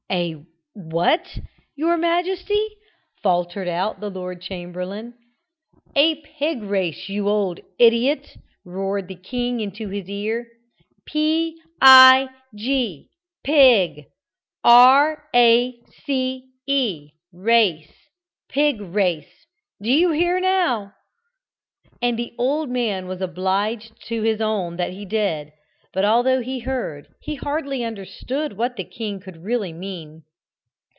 "A what, your majesty?" faltered out the Lord Chamberlain. "A pig race, you old idiot!" roared the king into his ear. "P I G, pig, R A C E, race pig race. Do you hear now?" And the old man was obliged to own that he did; but although he heard, he hardly understood what the king could really mean.